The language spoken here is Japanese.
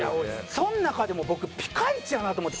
その中でも僕ピカイチやなと思ってこの子。